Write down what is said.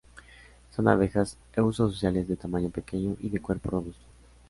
Son abejas eusociales de tamaño pequeño y de cuerpo robusto.